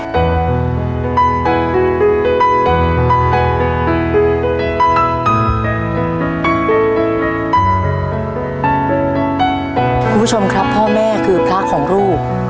คุณผู้ชมครับพ่อแม่คือพระของลูก